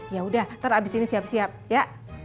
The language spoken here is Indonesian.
yaudah ntar abis ini siap siap ya